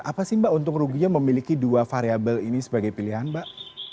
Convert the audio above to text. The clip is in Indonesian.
apa sih mbak untung ruginya memiliki dua variable ini sebagai pilihan mbak